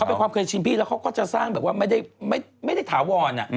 เป็นความเคยชิมพี่แล้วเขาก็จะสร้างแบบว่าไม่ได้ถาวร